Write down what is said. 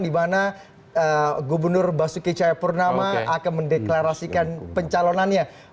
di mana gubernur basuki cahayapurnama akan mendeklarasikan pencalonannya